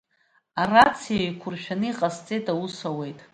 Арациа еиқәыршәаны иҟасҵеит, аус ауеит.